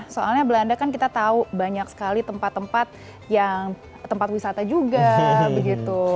soalnya belanda kan kita tahu banyak sekali tempat tempat yang tempat wisata juga begitu